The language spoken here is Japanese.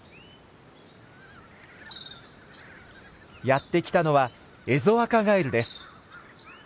やって来たのはエゾアカガエルです。